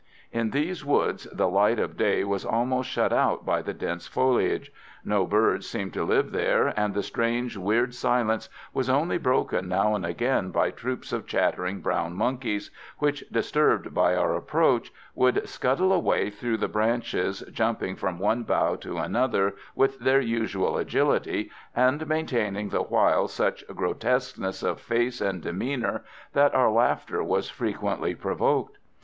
In these woods the light of day was almost shut out by the dense foliage; no birds seemed to live there, and the strange, weird silence was only broken now and again by troops of chattering brown monkeys, which, disturbed by our approach, would scuttle away through the branches, jumping from one bough to another with their usual agility, and maintaining the while such grotesqueness of face and demeanour that our laughter was frequently provoked.